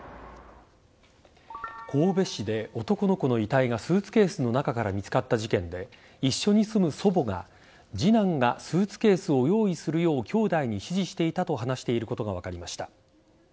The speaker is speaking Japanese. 神戸市で男の子の遺体がスーツケースの中から見つかった事件で一緒に住む祖母が次男がスーツケースを用意するようきょうだいに指示していたと話していることが分かりました。